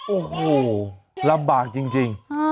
โอ้โหลำบากจริง